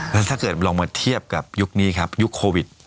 แล้วถ้าเกิดลองมาเทียบกับยุคนี้ครับยุคโควิด